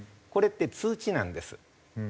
これって通知なんです。